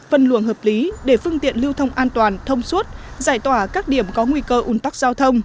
phân luồng hợp lý để phương tiện lưu thông an toàn thông suốt giải tỏa các điểm có nguy cơ ủn tắc giao thông